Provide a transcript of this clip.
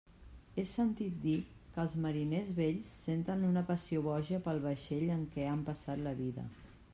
He sentit dir que els mariners vells senten una passió boja pel vaixell en què han passat la vida.